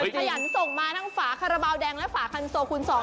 ขยันส่งมาทั้งฝาคาราบาลแดงและฝาคันโซคูณ๒